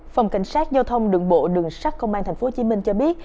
phòng cảnh sát giao thông đường bộ đường sắt công an tp hcm cho biết